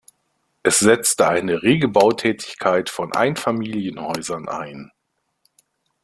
Es setzte eine rege Bautätigkeit von Einfamilienhäusern ein.